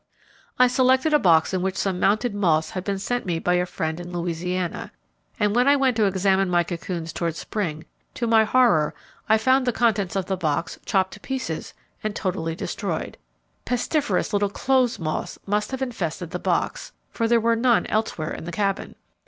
I selected a box in which some mounted moths had been sent me by a friend in Louisiana, and when I went to examine my cocoons toward spring, to my horror I found the contents of the box chopped to pieces and totally destroyed. Pestiferous little 'clothes' moths must have infested the box, for there were none elsewhere in the Cabin.